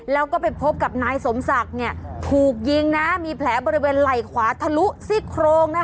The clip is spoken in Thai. แล้วก็ไปพบกับนายสมศักดิ์เนี่ยถูกยิงนะมีแผลบริเวณไหล่ขวาทะลุซี่โครงนะคะ